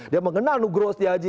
dia mengenal nugroho setiaji